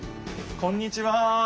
こんにちは。